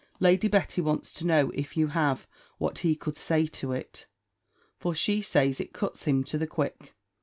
Lady Betty wants to know (if you have) what he could say to it? For, she says, it cuts him to the quick.